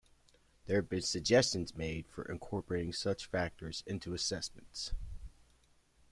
There have been suggestions made for incorporating such factors into assessments.